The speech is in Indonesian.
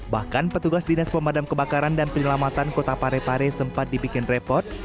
bahkan petugas dinas pemadam kebakaran dan penyelamatan kota parepare sempat dibikin repot